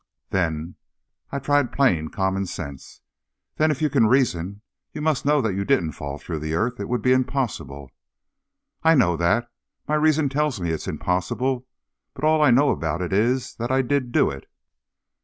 "Then," I tried plain common sense, "then, if you can reason, you must know that you didn't fall through the earth. It would be impossible." "I know that. My reason tells me it's impossible. But all I know about it is, that I did do it."